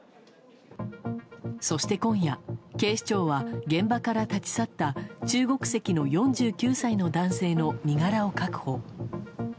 そして、今夜警視庁は現場から立ち去った中国籍の４９歳の男性の身柄を確保。